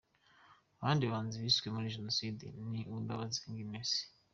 Abandi bahanzi bishwe muri Jenoside ni: Uwimbabazi Agnes,.